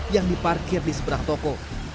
yang diparkir di seberang toko